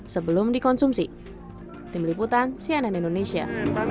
sebelum dikonsumsi tim liputan cnn indonesia